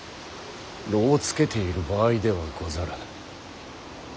艪をつけている場合ではござらぬ。